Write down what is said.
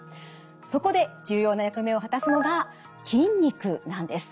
そこで重要な役目を果たすのが筋肉なんです。